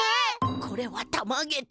これはたまげた！